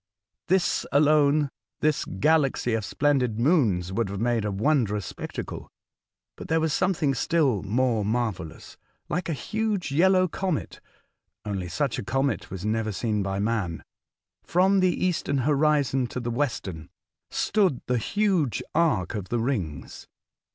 This alone — this galaxy of splendid moons — would have made a wondrous spec tacle. But there was something still more marvellous. Like a huge yellow comet (only such a comet was never seen by man), from the eastern horizon to the western, stood the huge arc of the rino^s.